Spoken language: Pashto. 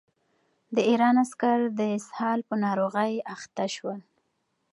د ایران عسکر د اسهال په ناروغۍ اخته شول.